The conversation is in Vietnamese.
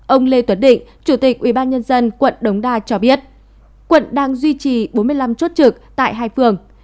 ông lê tuấn định chủ tịch ubnd quận đống đa cho biết quận đang duy trì bốn mươi năm chốt trực tại hai phường